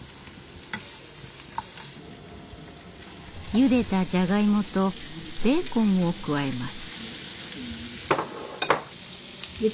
ゆでたじゃがいもとベーコンを加えます。